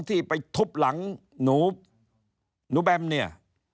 ที่ไปทุบหลังหนูหนูแบมเนี่ย